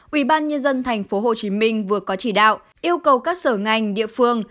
ủy ban nhân dân tp hcm vừa có chỉ đạo yêu cầu các sở ngành địa phương